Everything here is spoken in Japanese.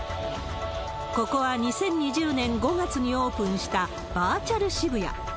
ここは２０２０年５月にオープンしたバーチャル渋谷。